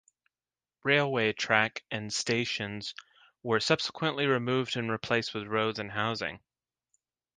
Railway track and stations were subsequently removed and replaced with roads and housing.